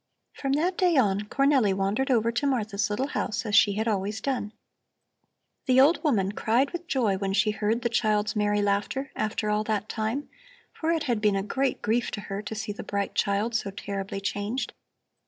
From that day on, Cornelli wandered over to Martha's little house as she had always done. The old woman cried with joy when she heard the child's merry laughter after all that time, for it had been a great grief to her to see the bright child so terribly changed.